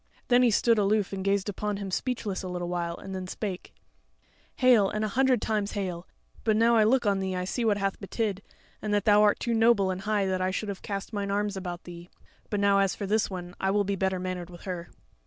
Then he stood aloof and gazed upon him speechless a little while, and then spake: "Hail, and a hundred times hail! but now I look on thee I see what hath betid, and that thou art too noble and high that I should have cast mine arms about thee. But now as for this one, I will be better mannered with her."